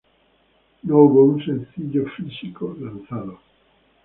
No hubo un sencillo físico lanzado.